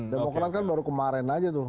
demokrat kan baru kemarin aja tuh